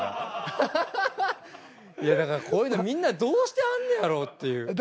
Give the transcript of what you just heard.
いやだからこういうのみんなどうしてはんねやろという。